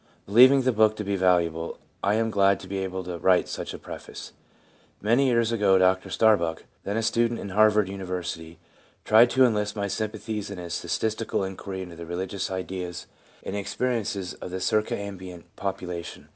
Believing the book to be valuable, I am glad to be able to write such a preface. Many years ago Dr Starbuck, then a student in Harvard University, tried to enlist my sympathies in his statistical inquiry into the religious ideas and ex periences of the circumambient population.